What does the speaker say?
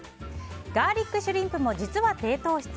ガーリックシュリンプも実は低糖質。